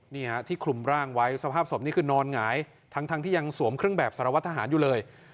นี่ฮะที่คลุมร่างไว้สภาพศพนี่คือนอนหงายทั้งที่ยังสวมเครื่องแบบสารวัตรทหารอยู่เลย